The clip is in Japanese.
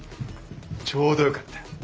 ちょうどよかった。